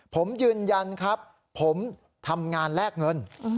ผมยืนยันครับผมทำงานแลกเงิน